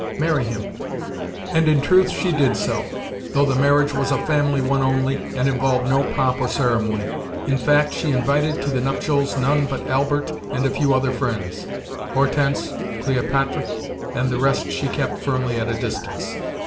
Marry him." And, in truth, she did so—though the marriage was a family one only, and involved no pomp or ceremony. In fact, she invited to the nuptials none but Albert and a few other friends. Hortense, Cléopatre, and the rest she kept firmly at a distance.